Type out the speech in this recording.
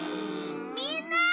みんな！